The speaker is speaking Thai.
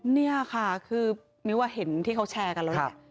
นี่ค่ะคือนึกว่าเห็นที่เขาแชร์กันแล้วนะครับ